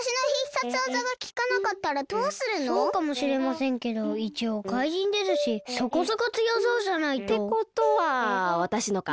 そうかもしれませんけどいちおうかいじんですしそこそこつよそうじゃないと。ってことはわたしのか。